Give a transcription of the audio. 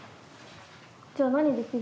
じゃあ何できる？